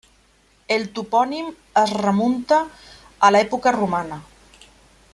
El topònim es remunta a l'època romana.